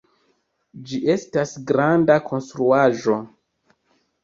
Ĝi estas granda konstruaĵo